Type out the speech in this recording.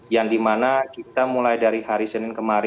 yang dimana kita mulai dari hari senin kemarin